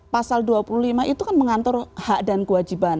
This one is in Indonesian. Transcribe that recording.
pasal dua puluh lima itu kan mengatur hak dan kewajiban